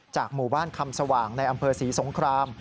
หมู่บ้านคำสว่างในอำเภอศรีสงคราม